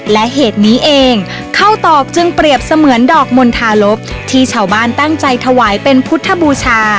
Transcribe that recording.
และเหตุนี้เองข้าวตอกจึงเปรียบเสมือนดอกมณฑาลบที่ชาวบ้านตั้งใจถวายเป็นพุทธบูชา